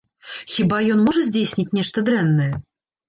Хіба ён можа здзейсніць нешта дрэннае?!